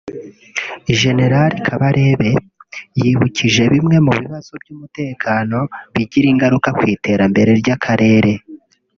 Gen Kabarebe yibukije bimwe mu bibazo by’umutekano bigira ingaruka ku iterambere ry’Akarere